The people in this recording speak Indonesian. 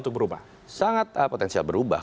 untuk berubah sangat potensial berubah